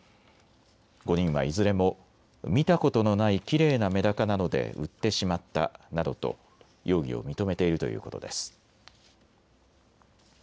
５人はいずれも見たことのないきれいなメダカなので売ってしまったなどと容疑を認めているということです。